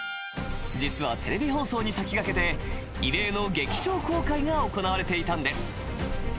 ［実はテレビ放送に先駆けて異例の劇場公開が行われていたんです］